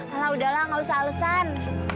kalau udahlah nggak usah alesan